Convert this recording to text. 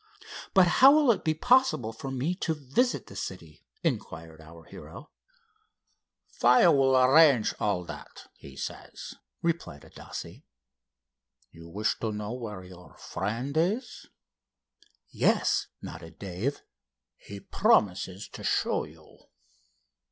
"But how will it be possible for me to visit the city?" inquired our hero. "Faiow will arrange all that, he says," replied Adasse. "You wish to know where your friend is?" "Yes," nodded Dave. "He promises to show you.